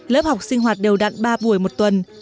lớp học sinh hoạt đều đặn ba buổi một tuần